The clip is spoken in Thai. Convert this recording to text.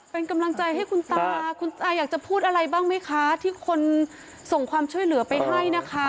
เป็นกำลังใจให้คุณตาคุณตาอยากจะพูดอะไรบ้างไหมคะที่คนส่งความช่วยเหลือไปให้นะคะ